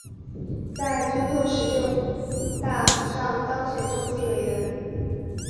在中共十六大上当选中纪委委员。